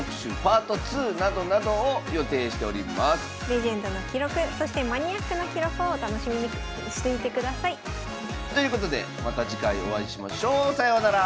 レジェンドの記録そしてマニアックな記録を楽しみにしていてください。ということでまた次回お会いしましょう。さようなら！